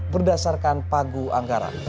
berdasarkan pagu anggaran